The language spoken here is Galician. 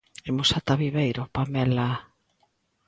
Imos ata Viveiro, Pamela...